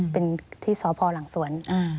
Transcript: เป็นที่สพหลังสวน